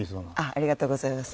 ありがとうございます。